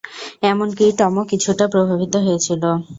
এমনকি টমও কিছুটা প্রভাবিত হয়েছিল।